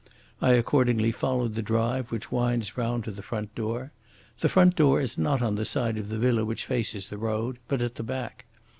I accordingly followed the drive which winds round to the front door. The front door is not on the side of the villa which faces the road, but at the back.